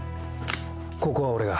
ここは俺が。